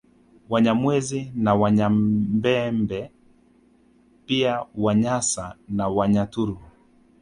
Wanyamwezi na Wanyanyembe pia Wanyasa na Wanyaturu